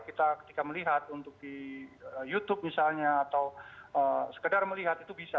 kita ketika melihat untuk di youtube misalnya atau sekedar melihat itu bisa